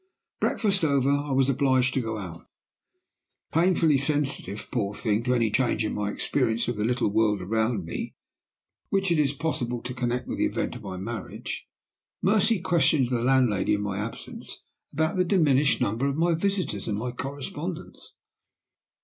Breakfast over, I was obliged to go out. Painfully sensitive, poor thing, to any change in my experience of the little world around me which it is possible to connect with the event of my marriage, Mercy questioned the landlady, in my absence, about the diminished number of my visitors and my correspondents.